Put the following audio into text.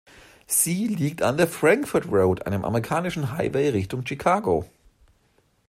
Sie liegt an der Frankfurt Road, einem amerikanischen Highway Richtung Chicago.